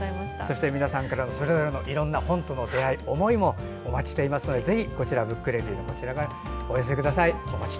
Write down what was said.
そして皆さんからのそれぞれのいろんな本との出会い思いもお待ちしていますのでぜひお寄せください。